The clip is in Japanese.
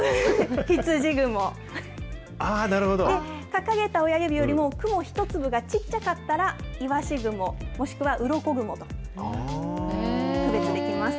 掲げた親指よりも雲一粒が小っちゃかったら、いわし雲、もしくはうろこ雲と区別できます。